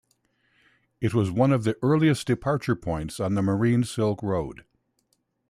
It was one of the earliest departure points on the Marine Silk Road.